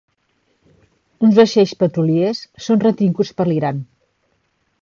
Uns vaixells petroliers són retinguts per l'Iran